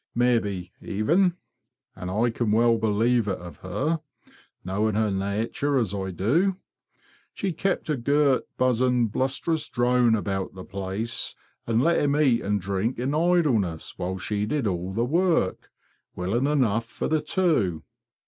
Maybe, even—and I can well believe it of her, knowing her natur' as I do—she kept a gurt, buzzing, blusterous drone about the place an' let him eat and drink in idleness while she did all the work, willing enough, for the two.